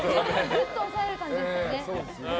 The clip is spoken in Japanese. ぐっと抑える感じですかね。